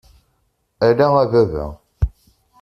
Ala a baba!